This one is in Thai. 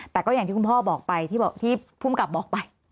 แต่ก็อย่างที่คุณพ่อบอกไปที่ภูมิกับบอกไป